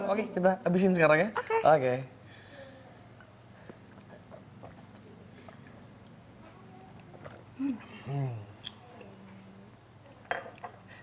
oke kita habisin sekarang ya oke